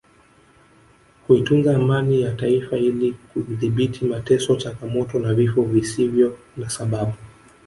kuitunza amani ya Taifa ili kudhibiti mateso changamoto na vifo visivyo na sababu